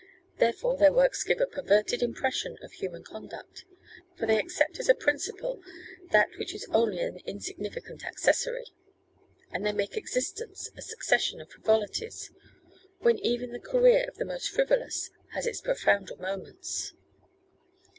Therefore their works give a perverted impression of human conduct; for they accept as a principal, that which is only an insignificant accessory; and they make existence a succession of frivolities, when even the career of the most frivolous has its profounder moments.